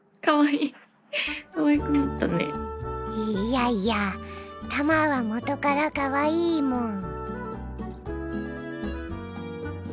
いやいやたまは元からかわいいもん！